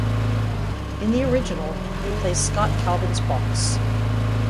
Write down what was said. In the original, he plays Scott Calvin's boss.